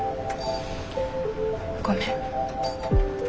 ごめん。